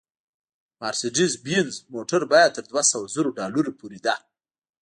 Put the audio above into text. مارسېډیز بینز موټر بیه تر دوه سوه زرو ډالرو پورې ده